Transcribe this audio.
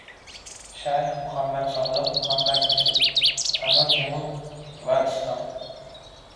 Shayx Muhammad Sodiq Muhammad Yusuf: Amir Temur va islom